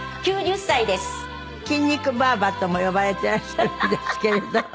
筋肉ばあばとも呼ばれてらっしゃるんですけれど。